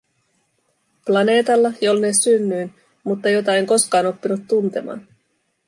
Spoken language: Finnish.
Planeetalla, jonne synnyin, mutta jota en koskaan oppinut tuntemaan.